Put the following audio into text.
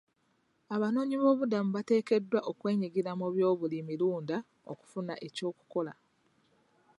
Abanoonyi b'obubuddamu bateekeddwa okwenyigira mu by'obulimirunda okufuna eky'okulya.